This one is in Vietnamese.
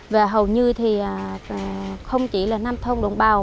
và hầu như thì không chỉ là năm thông đồng bào